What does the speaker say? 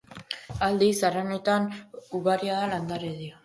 Aldiz, haranetan ugaria da landaredia.